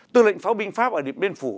tư lệnh pháo binh pháp ở điện biên phủ